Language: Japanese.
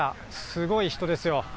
すごい人ですよ。